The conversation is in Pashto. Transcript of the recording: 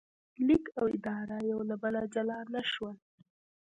لیک او اداره یو له بله جلا نه شول.